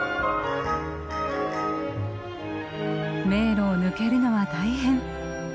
迷路を抜けるのは大変。